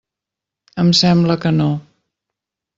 Em sembla que no.